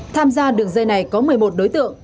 tham gia đường dây này có một mươi một đối tượng